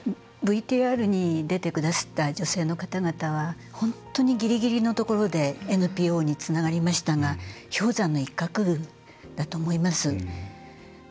ＶＴＲに出てくださった女性の方々は本当にギリギリのところでＮＰＯにつながりましたが氷山の一角だと思います。